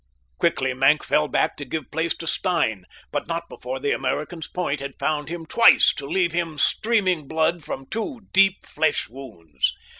Quickly Maenck fell back to give place to Stein, but not before the American's point had found him twice to leave him streaming blood from two deep flesh wounds.